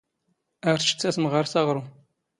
ⴰⵔ ⵜⵛⵜⵜⴰ ⵜⵎⵖⴰⵔⵜ ⴰⵖⵔⵓⵎ.